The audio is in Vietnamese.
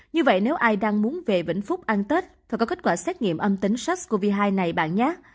như vậy nếu ai đang muốn về vĩnh phúc ăn tết phải có kết quả xét nghiệm âm tính sars cov hai này bạn nhát